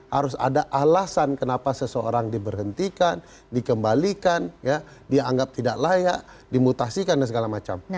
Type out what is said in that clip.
harus ada alasan kenapa seseorang diberhentikan dikembalikan dianggap tidak layak dimutasikan dan segala macam